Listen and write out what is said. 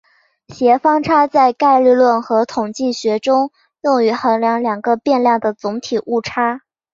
协方差在概率论和统计学中用于衡量两个变量的总体误差。